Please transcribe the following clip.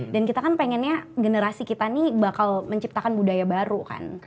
kita kan pengennya generasi kita nih bakal menciptakan budaya baru kan